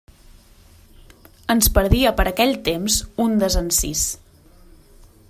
Ens perdia per aquell temps un desencís.